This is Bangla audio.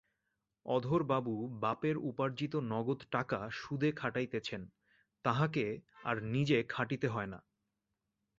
অধরবাবু বাপের উপার্জিত নগদ টাকা সুদে খাটাইতেছেন, তাঁহাকে আর নিজে খাটিতে হয় না।